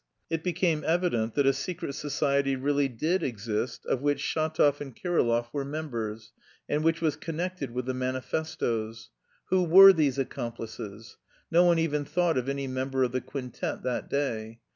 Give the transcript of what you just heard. It became evident that a secret society really did exist of which Shatov and Kirillov were members and which was connected with the manifestoes. Who were these accomplices? No one even thought of any member of the quintet that day.